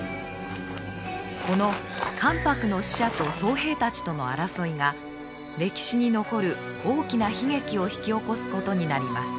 この関白の使者と僧兵たちとの争いが歴史に残る大きな悲劇を引き起こすことになります。